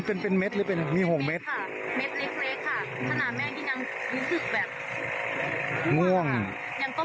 มันเป็นเป็นเม็ดหรือเป็นมีหกเม็ดค่ะเม็ดเล็กเล็กค่ะขนาดแม่ที่ยังรู้สึกแบบ